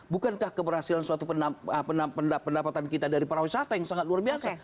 bukankah keberhasilan suatu pendapatan kita dari para wisata yang sangat luar biasa